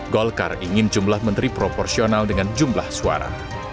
golkar ingin jumlah menteri proporsional dengan jumlah suara